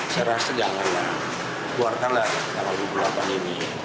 serah sedangkan buartalah kalau dua puluh delapan ini